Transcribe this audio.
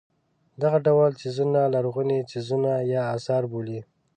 دغه ډول څیزونه لرغوني څیزونه یا اثار بولي.